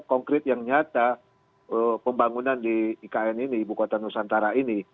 konkret yang nyata pembangunan di ikn ini ibu kota nusantara ini